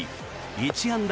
１安打